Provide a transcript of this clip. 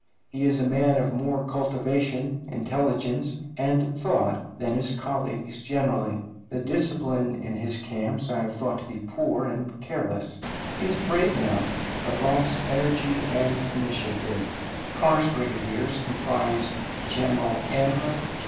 He is a man of more cultivation, intelligence, and thought than his colleagues generally. The discipline in his camps I have thought to be poor and careless. He is brave enough, but lacks energy and initiative. Carr's brigadiers comprise General M.